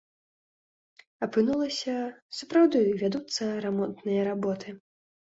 Апынулася, сапраўды вядуцца рамонтныя работы.